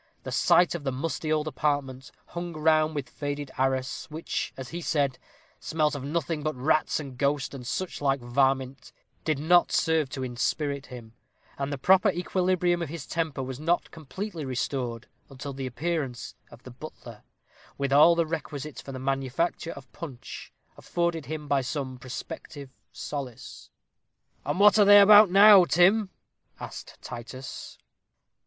The sight of the musty old apartment, hung round with faded arras, which, as he said, "smelt of nothing but rats and ghosts, and suchlike varmint," did not serve to inspirit him; and the proper equilibrium of his temper was not completely restored until the appearance of the butler, with all the requisites for the manufacture of punch, afforded him some prospective solace. "And what are they about now, Tim?" asked Titus.